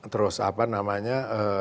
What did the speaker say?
terus apa namanya